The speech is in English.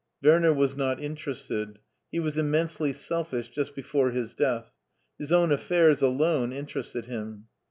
Werner was not interested ; he was immensely selfish just before his death ; his own affairs alone interested him.